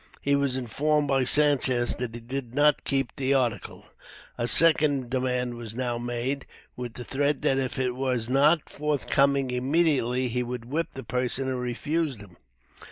He was informed by Sanchez that he did not keep the article. A second demand was now made, with the threat that if it was not forthcoming immediately, he would whip the person who refused him.